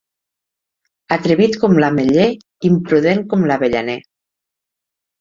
Atrevit com l'ametller, imprudent com l'avellaner.